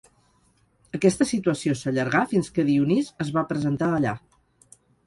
Aquesta situació s'allargà fins que Dionís es va presentar allà.